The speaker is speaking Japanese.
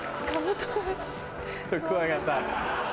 とクワガタ。